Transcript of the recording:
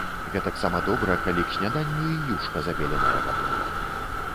Гэтаксама добра, калі к сняданню й юшка забеленая гатова.